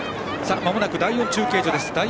まもなく第４中継所。